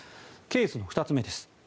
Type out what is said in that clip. ケースの２つ目です。